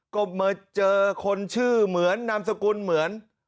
ก็มาเจอคนชื่อเหมือนนามสกุลเหมือน